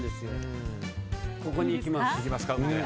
ここにいきます。